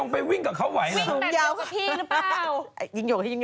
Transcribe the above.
พี่ยิงโยง